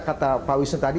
kata pak wisnu tadi